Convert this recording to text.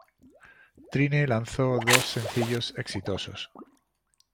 Trine lanzó dos sencillos exitosos.